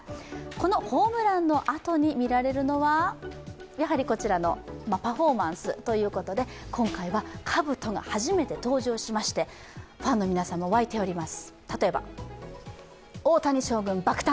このホームランのあとに見られるのはやはりこちらのパフォーマンスということで今回はかぶとが初めて登場しましてファンの皆さんも沸いております。